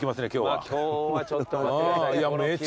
あれっちょっと待ってください。